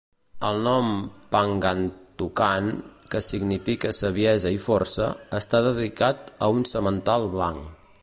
El nom "Pangantucan", que significa saviesa i força, està dedicat a un semental blanc.